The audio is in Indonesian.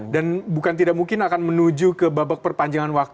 dan bukan tidak mungkin akan menuju ke babak perpacaran